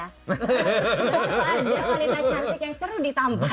ada muda cantik seru yang ditampar